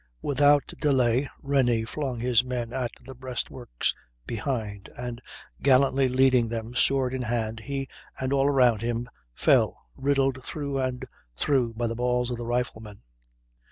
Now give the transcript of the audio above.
Without delay Rennie flung his men at the breastworks behind, and, gallantly leading them, sword in hand, he, and all around him, fell, riddled through and through by the balls of the riflemen.